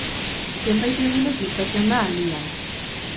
Zenbait egunez luzatzen da aldi hau.